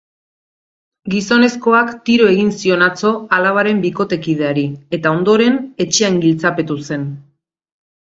Gizonezkoak tiro egin zion atzo alabaren bikotekideari, eta ondoren etxean giltzapetu zen.